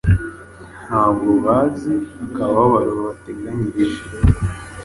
Ntabwo bazi akababaro babateganyirije